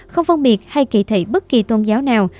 không phân biệt hay kỳ thị bất kỳ tôn giáo nào